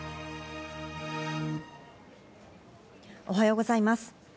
おはようございます。